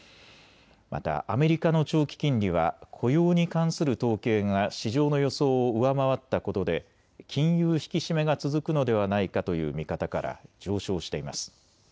またアメリカの長期金利は雇用に関する統計が市場の予想を上回ったことで金融引き締めが続くのではないかという見方から上昇しています。